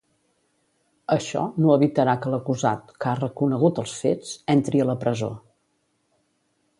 Això no evitarà que l'acusat, que ha reconegut els fets, entri a la presó.